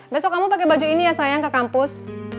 besok kamu pakai baju ini ya sayang ke kampus